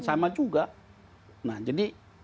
sama juga nah jadi